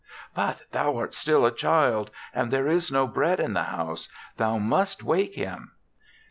"But thou art still a child, and there is no bread in the house. Thou must wake him."